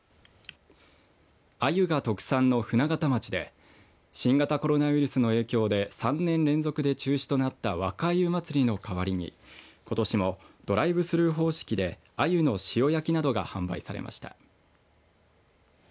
あゆが特産の舟形町で新型コロナウイルスの影響で３年連続で中止となった若鮎まつりの代わりにことしもドライブスルー方式であゆの塩焼きなどが販売されました。